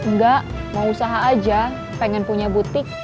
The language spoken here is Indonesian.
enggak mau usaha aja pengen punya butik